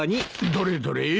どれどれ。